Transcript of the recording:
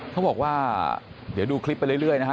เขาบอกว่าเดี๋ยวดูคลิปไปเรื่อยนะฮะ